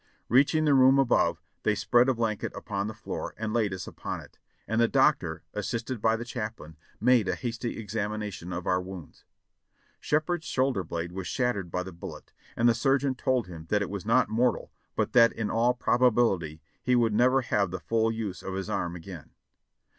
Reaching the room above, they spread a blanket upon the floor and laid us upon it, and the doctor, assisted by the chaplain, made a hasty examination of our wounds. Shepherd's shoulder blade was shattered by the bullet, and the surgeon told him that it was not mortal but that in all probability he would never have the full use of his arm again.